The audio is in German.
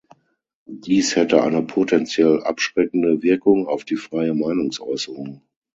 Dies hätte eine potenziell abschreckende Wirkung auf die freie Meinungsäußerung.